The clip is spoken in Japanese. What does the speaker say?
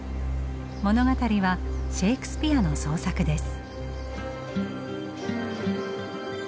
物語はシェークスピアの創作です。